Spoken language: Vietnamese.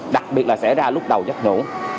đặc biệt là sẽ ra lúc đầu giấc ngủ